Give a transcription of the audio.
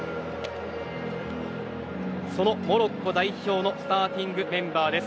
そのモロッコ代表のスターティングメンバーです。